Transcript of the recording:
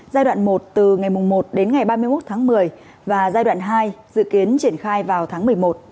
giai đoạn một từ ngày một đến ngày ba mươi một tháng một mươi và giai đoạn hai dự kiến triển khai vào tháng một mươi một